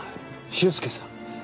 修介さん。